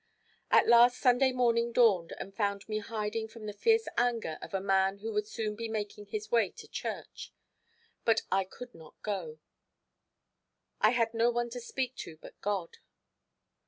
At last Sunday morning dawned and found me hiding from the fierce anger of a man who would soon be making his way to church; but I could not go. I had no one to speak to but God.